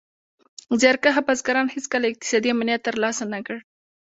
زیار کښه بزګران هېڅکله اقتصادي امنیت تر لاسه نه کړ.